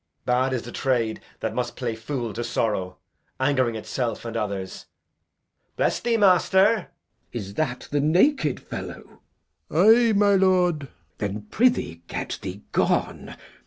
Bad is the trade that must play fool to sorrow, Ang'ring itself and others. Bless thee, master! Glou. Is that the naked fellow? Old Man. Ay, my lord. Glou. Then prithee get thee gone.